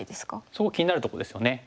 すごく気になるとこですよね。